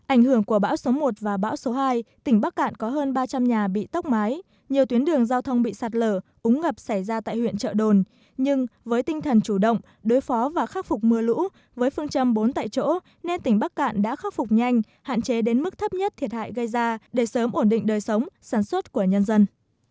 ảnh hưởng của bão số một và bão số hai tỉnh bắc cạn có hơn ba trăm linh nhà bị tốc mái nhiều tuyến đường giao thông bị sạt lở úng ngập xảy ra tại huyện trợ đồn nhưng với tinh thần chủ động đối phó và khắc phục mưa lũ với phương châm bốn tại chỗ nên tỉnh bắc cạn đã khắc phục nhanh hạn chế đến mức thấp nhất thiệt hại gây ra để sớm ổn định đời sống sản xuất của nhân dân